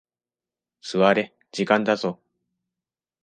座れ、時間だぞ。